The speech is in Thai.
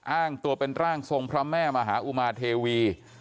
อ้างตัวเป็นร่างทรงพระแม่มหาอุมาเทวี